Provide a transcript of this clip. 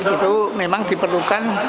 itu memang diperlukan